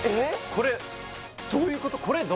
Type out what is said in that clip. これどういうこと！？